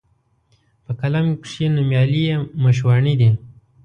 په قلم کښي نومیالي یې مشواڼي دي